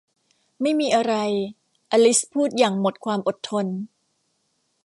ไม่มีอะไร อลิซพูดอย่างหมดความอดทน